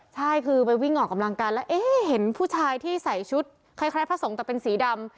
ใช่คือไปวิ่งออกกำลังกายแล้วเอ๊ะเห็นผู้ชายที่ใส่ชุดคล้ายพระสงฆ์แต่เป็นสีดำ